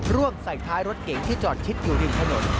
ใส่ท้ายรถเก๋งที่จอดชิดอยู่ริมถนน